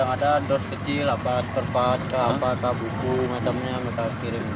ada dos kecil apat perpat kabukung atemnya mereka kirim